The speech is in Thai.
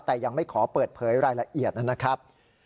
แต่ยังไม่ขอเปิดเผยรายละเอียดนะครับ